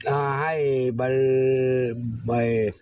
อ่าให้ใบ